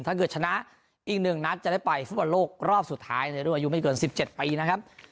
ถ้าเกิดชนะอีก๑นัดจะได้ไปฟุตบอลโลกรอบสุดท้ายในรุ่นอายุไม่เกิน๑๗ปีนะครับ